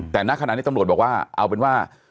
แต่ณขณะนี้ตำรวจบอกว่าเอาเป็นว่า